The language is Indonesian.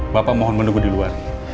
bapak mohon menunggu di luar